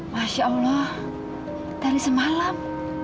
masya allah dari semalam